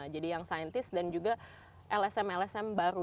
jadi yang saintis dan juga lsm lsm baru